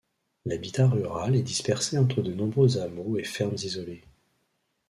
L'habitat rural est dispersé entre de nombreux hameaux et fermes isolées.